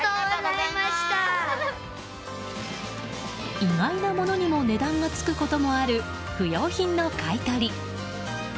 意外なものにも値段がつくこともある不用品の買い取り。